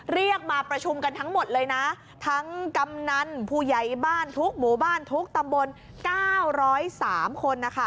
ระดับนั้นทั้งกำนันผู้ใหญ่บ้านรู้บ้านตำบล๙๐๓คน